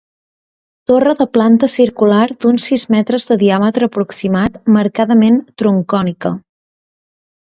Torre de planta circular d'uns sis metres de diàmetre aproximat marcadament troncocònica.